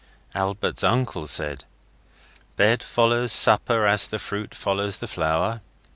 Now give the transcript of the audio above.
Albert's uncle said 'Bed follows supper as the fruit follows the flower.